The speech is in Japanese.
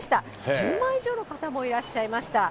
１０万以上の方もいらっしゃいました。